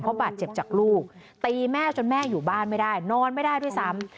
เพราะบาดเจ็บจากลูกตีแม่จนแม่อยู่บ้านไม่ได้นอนไม่ได้ด้วยซ้ำ